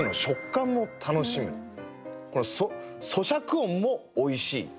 このそしゃく音もおいしい。